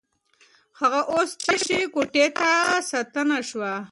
هغه اوس تشې کوټې ته ستنه شوه.